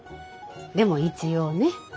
でも一応ね。